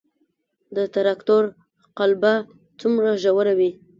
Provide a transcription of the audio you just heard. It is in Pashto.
د تراکتور قلبه څومره ژوره وي؟